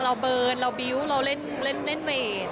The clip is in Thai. เบิร์นเราบิวต์เราเล่นเวท